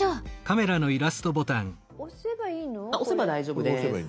押せば大丈夫です。